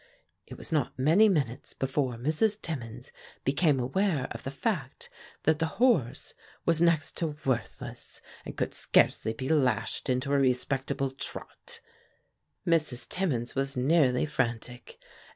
It was not many minutes before Mrs. Timmins became aware of the fact that the horse was next to worthless, and could scarcely be lashed into a respectable trot. Mrs. Timmins was nearly frantic.